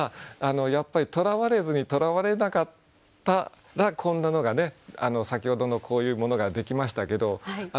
やっぱり「とらわれず」にとらわれなかったらこんなのがね先ほどのこういうものができましたけど。